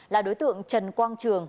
là đối tượng trần quang trường